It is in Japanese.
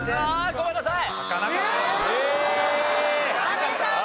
ごめんなさい！